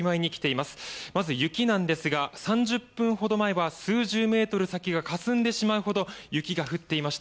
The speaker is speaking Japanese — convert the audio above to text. まず、雪ですが３０分ほど前は数十メートル先もかすんでしまうほど雪が降っていました。